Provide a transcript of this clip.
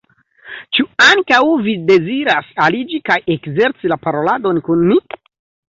Ĉu ankaŭ vi deziras aliĝi kaj ekzerci la paroladon kun ni?